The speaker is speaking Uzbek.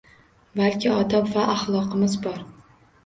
Balki odob va axloqimiz bor.